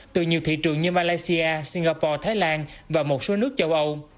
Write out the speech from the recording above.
từ nhiều thị trường như malaysia singapore thái lan và một số nước châu âu